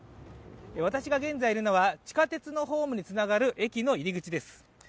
私が現在いるのは地下鉄のホームにつながる駅の入り口です。